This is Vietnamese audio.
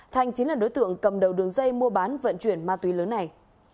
thanh chính là đối tượng cầm đầu đường dây mua bán vận chuyển ma túy lớn này